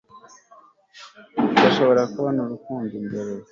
ndashobora kubona urukundo imbere